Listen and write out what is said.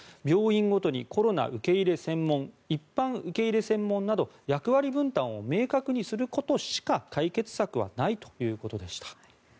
病院ごとに、コロナ受け入れ専門一般受け入れ専門など役割分担を明確にすることしか解決策はないということでした。